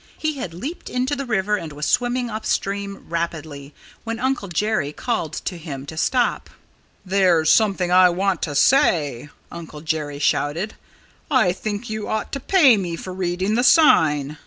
He had leaped into the river and was swimming up stream rapidly when Uncle Jerry called to him to stop. "There's something I want to say," Uncle Jerry shouted. "I think you ought to pay me for reading the sign."